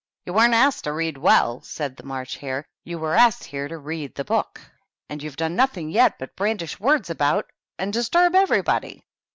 "You weren't asked to read well^^ said the March Hare. " You were asked here to read the book, and you've done nothing yet but brandish words about and disturb everybody."